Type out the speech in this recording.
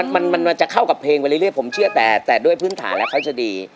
มันมันจะเข้ากับเพลงไปเรื่อยผมเชื่อแต่ด้วยพื้นฐานแล้วเขาจะดี